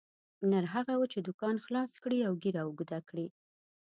نر هغه وو چې دوکان خلاص کړي او ږیره اوږده کړي.